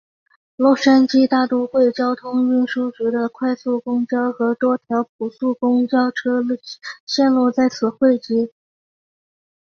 洛杉矶大都会交通运输局的快速公交和多条普速公交车线路在此汇集。